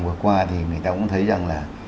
vừa qua thì người ta cũng thấy rằng là